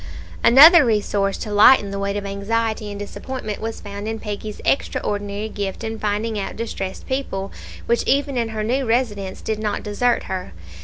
Another resource to lighten the weight of anxiety and disappointment was found in Peggy's extraordinary gift in finding out distressed people, which even in her new residence, did not desert her.